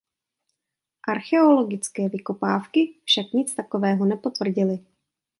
Archeologické vykopávky však nic takového nepotvrdily.